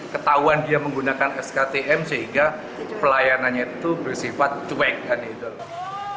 sehingga pelayanannya itu bersifat cuek